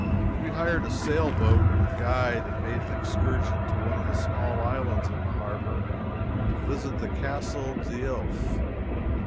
We hired a sailboat and a guide and made an excursion to one of the small islands in the harbor to visit the Castle d'If.